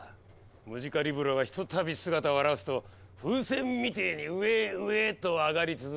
ムジカリブロがひとたび姿を現すと風船みてえに上へ上へとあがり続けるそうな。